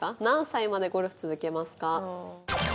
「何歳までゴルフ続けますか？」。